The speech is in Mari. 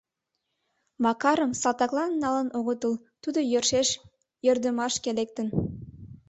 Макарым салтаклан налын огытыл, тудо йӧршеш йӧрдымашке лектын...